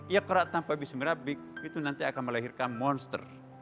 ikhraq tanpa bismillahirrahmanirrahim itu nanti akan melahirkan monster